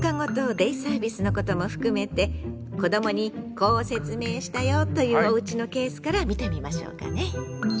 デイサービスのことも含めて「子どもにこう説明したよ」というおうちのケースから見てみましょうかね。